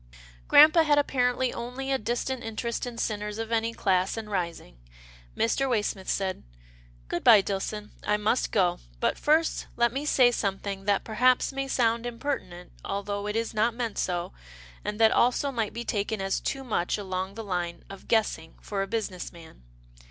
Grampa had apparently only a distant interest in sinners of any class, and rising, Mr. Waysmith said, " Good bye Dillson, I must go, but first let me say something that perhaps may sound im pertinent, although it is not meant so, and that also might be taken as too much along the line of guess ing for a business man.